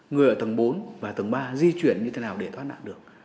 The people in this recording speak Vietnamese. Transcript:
người ở tầng bốn và tầng ba di chuyển như thế nào để thoát nạn được